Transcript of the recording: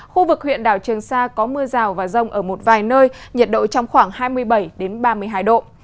khu vực huyện đảo trường sa có mưa rào và rông ở một vài nơi nhiệt độ trong khoảng hai mươi bảy ba mươi hai độ